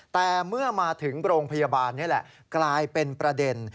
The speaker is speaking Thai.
แต่เมื่อมาถึงโรงพยาบาลนี่แหละกลายเป็นประเด็น